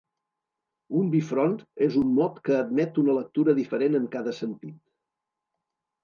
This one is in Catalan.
Un bifront és un mot que admet una lectura diferent en cada sentit.